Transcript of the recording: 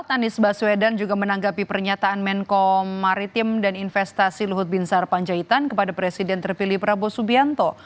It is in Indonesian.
anies baswedan juga menanggapi pernyataan menko maritim dan investasi luhut binsar panjaitan kepada presiden terpilih prabowo subianto